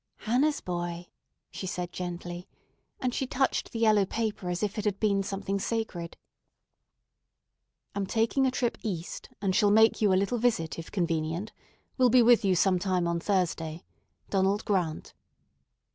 "Hannah's boy!" she said gently, and she touched the yellow paper as if it had been something sacred. "Am taking a trip East, and shall make you a little visit if convenient. Will be with you sometime on Thursday. DONALD GRANT."